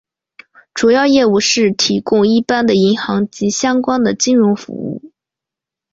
主要业务是提供一般的银行及相关的金融服务。